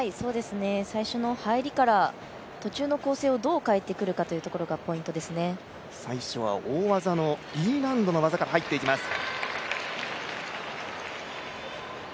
最初の入りから途中の構成をどう変えてくるかが最初は大技のＥ難度の技から入っていきます。